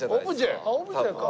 あっオブジェか。